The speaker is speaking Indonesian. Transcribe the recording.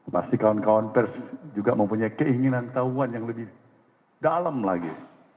pasti kawan kawan pers juga mempunyai keinginan tahuan yang lebih dalam lagi